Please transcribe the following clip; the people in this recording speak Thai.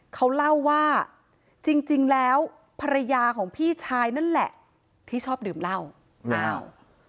เขาเล่าว่าจริงจริงแล้วภรรยาของพี่ชายนั่นแหละที่ชอบดื่มเหล้าอ้าว